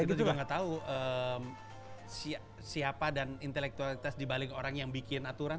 itu juga gak tau siapa dan intelektualitas dibalik orang yang bikin aturan